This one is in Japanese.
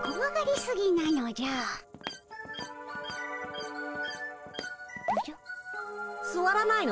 すわらないの？